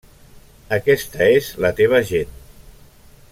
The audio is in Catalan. Aquesta és la teva gent.